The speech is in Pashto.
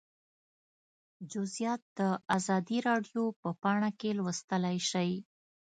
جزییات د ازادي راډیو په پاڼه کې لوستلی شئ